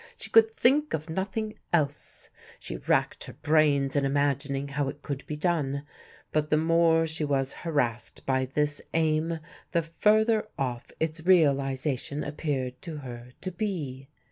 She could think of nothing else. She racked her brains in imagining how it could be done. But the more she was harassed by this aim the further off its realisation appeared to her to be.